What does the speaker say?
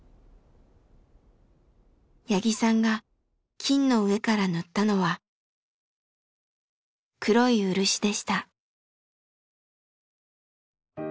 八木さんが金の上から塗ったのは黒い漆でした。